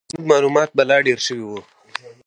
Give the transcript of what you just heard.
نو زموږ معلومات به لا ډېر شوي وو.